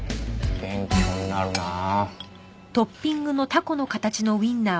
勉強になるなあ。